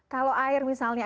kalau air misalnya